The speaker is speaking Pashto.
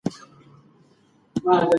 پوهان د ادب په منځپانګه باندې بحث کوي.